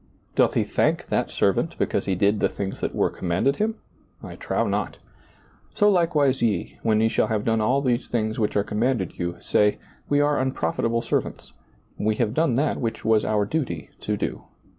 "Doth he thank that servant because he did the things (hat were commanded him? I trow not. " So likewise ye, when ye shall have done all those things which are commanded you, say, We are anprolilable servants : we have done that which was out duty to do."